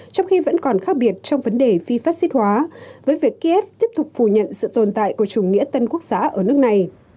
trong khi vẫn còn khác biệt trong vấn đề phi phát xít hóa với việc kiev tiếp tục phủ nhận sự tồn tại của chủ nghĩa tân quốc xã ở nước này